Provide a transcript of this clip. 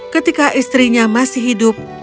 ketika istrinya masih hidup